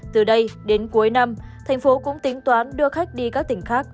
từ đây đến cuối năm tp hcm cũng tính toán đưa khách đi các tỉnh khác